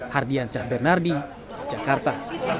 hardian syahbernardi jakarta